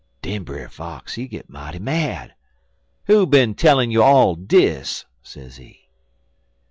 "'Den Brer Fox he git mighty mad. 'Who bin tellin' you all dis?' sezee.